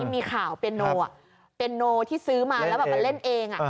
มีข่าวเปียโนเปียโนที่ซื้อมาแล้วแบบมาเล่นเอง